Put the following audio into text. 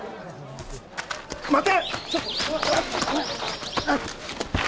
待て！